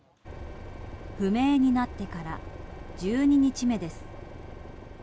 不明になってから１２日目です。